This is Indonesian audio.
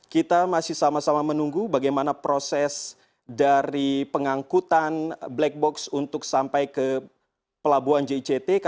kita masih sama sama menunggu bagaimana proses dari pengangkutan black box untuk sampai ke pelabuhan jict